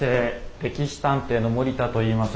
「歴史探偵」の森田といいます。